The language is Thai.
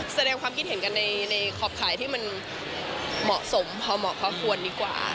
แสดงความคิดเห็นกันในขอบขายที่มันเหมาะสมพอเหมาะพอควรดีกว่า